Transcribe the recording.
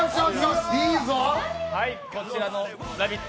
こちらの「ラヴィット！」